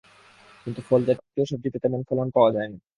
কিন্তু ফলজাতীয় সবজিতে তেমন ফলন পাওয়া যায়নি।